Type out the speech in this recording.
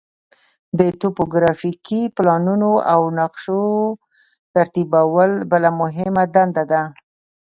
د توپوګرافیکي پلانونو او نقشو ترتیبول بله مهمه دنده ده